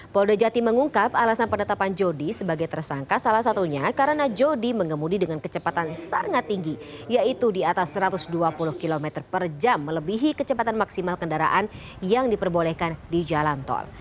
polda jati mengungkap alasan penetapan jodi sebagai tersangka salah satunya karena jodi mengemudi dengan kecepatan sangat tinggi yaitu di atas satu ratus dua puluh km per jam melebihi kecepatan maksimal kendaraan yang diperbolehkan di jalan tol